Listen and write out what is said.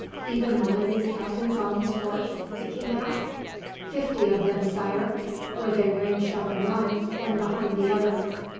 "Even one of these captains on his horse?" the king asked. "Fifty of them, Sire, were they ranged up in line, one behind the other."